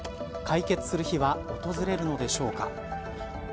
解決する日は訪れるのでしょうか。